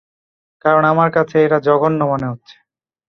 কারণ আমার কাছে, এটা জঘন্য মনে হচ্ছে।